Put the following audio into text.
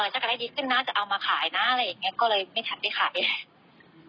ถ้าได้ดีขึ้นน่าจะเอามาขายนะอะไรอย่างนี้